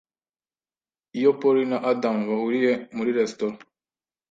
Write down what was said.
Iyo Polly na Adam bahuriye muri resitora